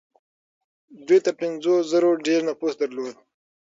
دوی تر پنځو زرو ډېر نفوس درلود.